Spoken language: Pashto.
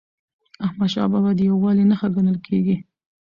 احمدشاه بابا د یووالي نښه ګڼل کېږي.